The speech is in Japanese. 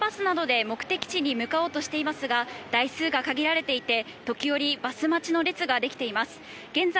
利用者の皆さんは路線バスなどで目的地に向かおうとしていますが、台数が限られていて、時折バス待ちの列ができています。